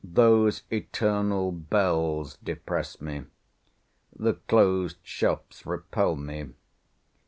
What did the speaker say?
Those eternal bells depress me. The closed shops repel me.